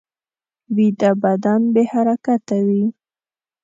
ویده بدن بې حرکته وي